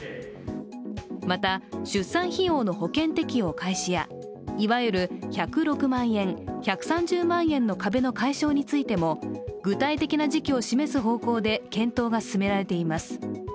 また、出産費用の保険適用開始やいわゆる１０６万円、１３０万円の壁の解消についても具体的な時期を示す方向で検討が進められています。